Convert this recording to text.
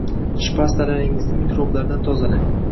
Tish pastalaringizni mikroblardan tozalang.